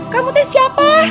kamu itu siapa